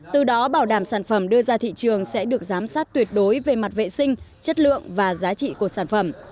từ đó bảo đảm sản phẩm đưa ra thị trường sẽ được giám sát tuyệt đối về mặt vệ sinh chất lượng và giá trị của sản phẩm